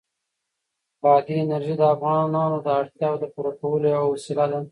بادي انرژي د افغانانو د اړتیاوو د پوره کولو یوه وسیله ده.